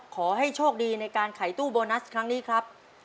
ขอให้โชคดีในการขายตู้โบนัสครั้งนี้ครับ